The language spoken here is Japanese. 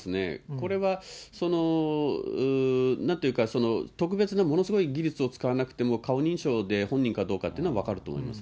これはなんていうか、特別なものすごい技術を使わなくても、顔認証で本人かどうかっていうのは分かると思います。